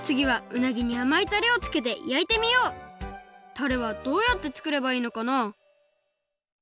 たれはどうやってつくればいいのかな？